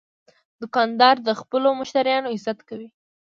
دوکاندار د خپلو مشتریانو عزت کوي.